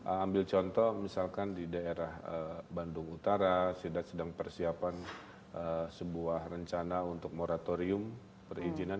ambil contoh misalkan di daerah bandung utara sedang persiapan sebuah rencana untuk moratorium perizinan